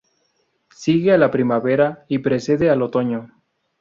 Sigue a la primavera y precede al otoño.